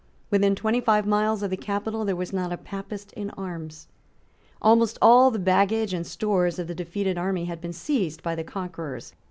Within twenty five miles of the capital there was not a Papist in arms. Almost all the baggage and stores of the defeated army had been seized by the conquerors.